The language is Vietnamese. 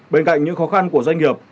bên cạnh những khó khăn của doanh nghiệp